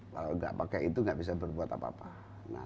kalau tidak pakai itu tidak bisa berbuat apa apa